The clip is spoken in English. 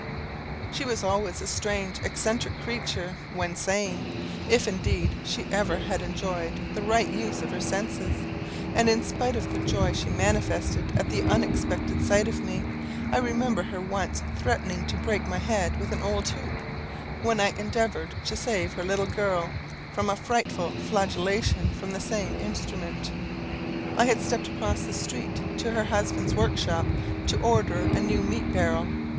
She was always a strange eccentric creature when sane if, indeed, she ever had enjoyed the right use of her senses; and, in spite of the joy she manifested at the unexpected sight of me, I remember her once threatening to break my head with an old hoop, when I endeavoured to save her little girl from a frightful flagellation from the same instrument. I had stepped across the street to her husband's workshop, to order a new meat barrel.